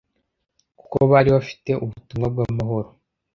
kuko bari bafite ubutumwa bw’amahoro